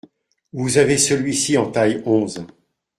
Vous avez celui-ci en taille onze.